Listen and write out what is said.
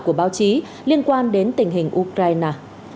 của báo chí liên quan đến tình hình ukraine